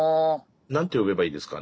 何て呼べばいいですか？